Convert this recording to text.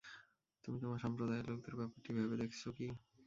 তুমি তোমার সম্প্রদায়ের লোকদের ব্যাপারটি ভেবে দেখেছ কি?